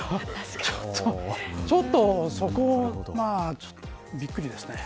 ちょっとそこはびっくりですね。